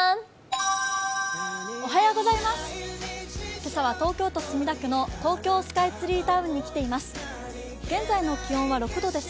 今朝は東京都墨田区の東京スカイツリータウンに来ています